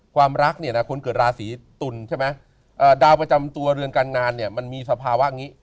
ความรักคนเกิดราศรีตุลดาวประจำตัวเรือนกันงานเนี่ยมันมีสภาวะอย่างงี้